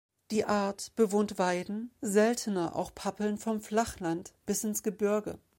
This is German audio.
Die Art bewohnt Weiden, seltener auch Pappeln vom Flachland bis ins Gebirge.